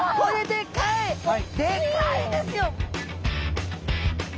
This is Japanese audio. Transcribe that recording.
でかいですよ！